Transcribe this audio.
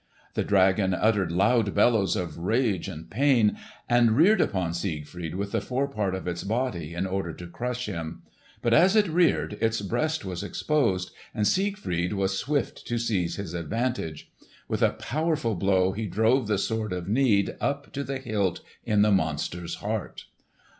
The dragon uttered loud bellows of rage and pain, and reared upon Siegfried with the forepart of its body in order to crush him; but as it reared, its breast was exposed, and Siegfried was swift to seize his advantage. With a powerful blow he drove the Sword of Need up to the hilt in the monster's heart.